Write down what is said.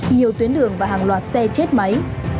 nhiều tuyến đường và hàng loạt xe chết máy